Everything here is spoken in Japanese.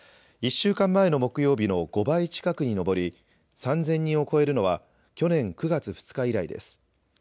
１週間前の木曜日の５倍近くに上り、３０００人を超えるのは、去年９月２日以来です。